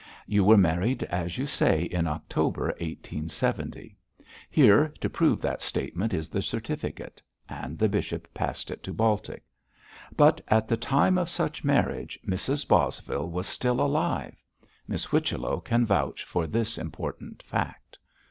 You were married as you say in October 1870; here, to prove that statement, is the certificate,' and the bishop passed it to Baltic. 'But at the time of such marriage Mrs Bosvile was still alive. Miss Whichello can vouch for this important fact!'